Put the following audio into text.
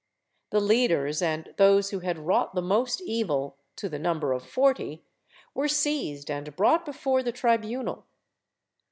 The leaders and those who had wrought the most evil, to the number of forty, were seized and brought before the tribunal.